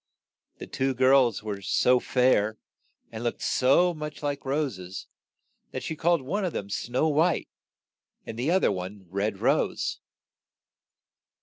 The two girls were so fair, and looked so much like ro ses, that she called one of them Snow White, and the oth er Red Rose.